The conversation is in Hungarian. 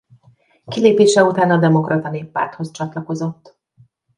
Kilépése után a Demokrata Néppárthoz csatlakozott.